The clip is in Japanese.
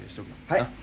はい。